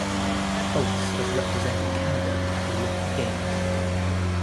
Holtz has represented Canada at the Olympic Games.